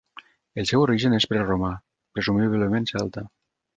El seu origen és preromà, presumiblement celta.